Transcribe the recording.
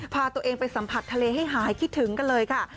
พาตัวเองไปสัมผัสทะเลให้หายคิดถึงกันเลยค่ะ